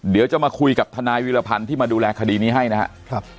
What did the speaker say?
เดี๋ยวจะมาคุยกับทนายวิรพันธ์ที่มาดูแลคดีนี้ให้นะครับ